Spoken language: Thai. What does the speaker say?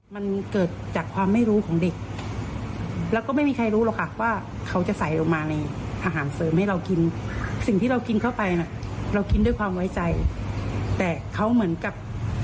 มันเกิดจากความไม่รู้ของเด็กแล้วก็ไม่มีใครรู้หรอกค่ะว่าเขาจะใส่ออกมาในอาหารเสริมให้เรากินสิ่งที่เรากินเข้าไปน่ะเรากินด้วยความไว้ใจแต่เขาเหมือนกับ